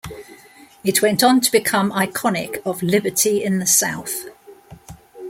It went on to become iconic of liberty in the South.